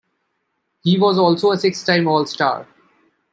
He was also a six-time All-Star.